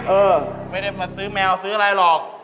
เออไม่ได้มาซื้อแมวซื้ออะไรหรอก